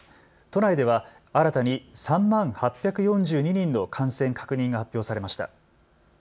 都内では新たに３万８４２人の感染確認が発表されました。